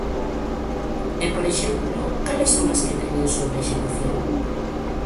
E, por exemplo, ¿cales son as que teñen sobreexecución?